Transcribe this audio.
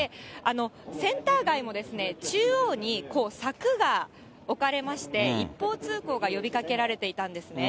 センター街も、中央に柵が置かれまして、一方通行が呼びかけられていたんですね。